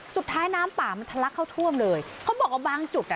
น้ำป่ามันทะลักเข้าท่วมเลยเขาบอกว่าบางจุดอ่ะ